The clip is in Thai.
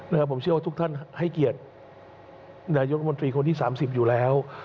นะครับผมเชื่อว่าทุกท่านให้เกียรตินายกรมนตรีคนที่สามสิบอยู่แล้ว